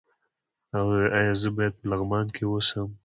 ایا زه باید په لغمان کې اوسم؟